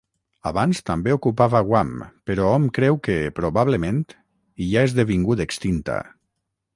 Abans també ocupava Guam però hom creu que, probablement, hi ha esdevingut extinta.